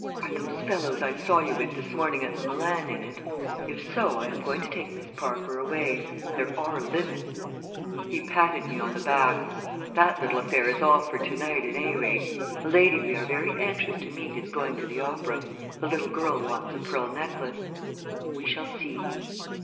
"Are those fellows I saw you with this morning at the Milan in it? If so I am going to take Miss Parker away. There are limits " He patted me on the back. "That little affair is off for to night at any rate. A lady we are very anxious to meet is going to the opera. The little girl wants a pearl necklace. Well, we shall see!"